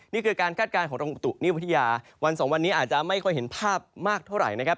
นี่คือการคาดการณ์ของตรงประตุฤนิพยาวัน๒วันนี้อาจจะไม่คิด็นภาพมากเท่าไรนะครับ